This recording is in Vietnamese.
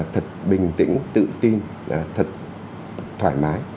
thật bình tĩnh tự tin thật thoải mái